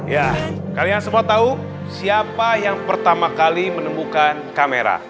ya kalian semua tahu siapa yang pertama kali menemukan kamera